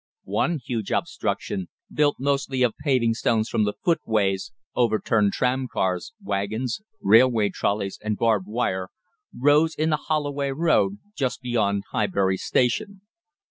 One huge obstruction, built mostly of paving stones from the footways, overturned tramcars, waggons, railway trollies, and barbed wire, rose in the Holloway Road, just beyond Highbury Station.